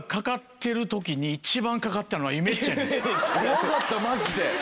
怖かったマジで。